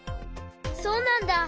そうなんだ。